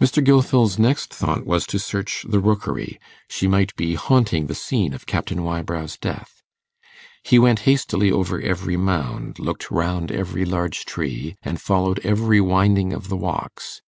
Mr. Gilfil's next thought was to search the Rookery: she might be haunting the scene of Captain Wybrow's death. He went hastily over every mound, looked round every large tree, and followed every winding of the walks.